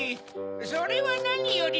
それはなにより。